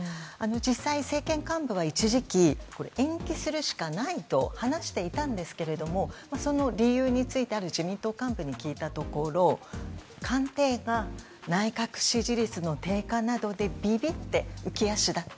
実際に政権幹部は一時期延期するしかないと話していたんですけれどもその理由についてある自民党幹部に聞いたところ官邸が内閣支持率の低下などでびびって浮き足立った。